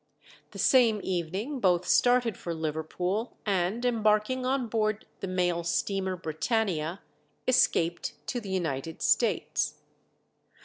The same evening both started for Liverpool, and embarking on board the mail steamer 'Britannia,' escaped to the United States.